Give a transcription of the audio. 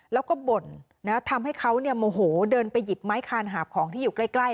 แล้วก็บ่นทำให้เขาโมโหเดินไปหยิบไม้คานหาบของที่อยู่ใกล้